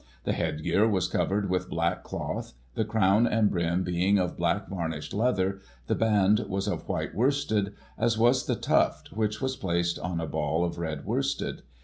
This headgear was covered with black cloth, the crown and brim being of black veirnished leather; the band was of white worsted, as was the tuft, which was placed on a ball of red worsted.